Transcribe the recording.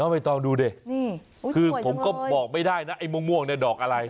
ไม่ต้องดูดิคือผมก็บอกไม่ได้นะไอ้ม่วงเนี่ยดอกอะไร